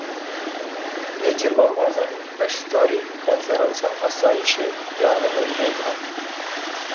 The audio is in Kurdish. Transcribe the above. Nêçîrvan Barzanî beşdarî Konferansa Asayîşê ya li Munichê dibe.